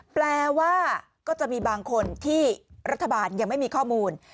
แปลว่าก็จะมีบางคนที่รัฐบาลยังไม่มีข้อมูล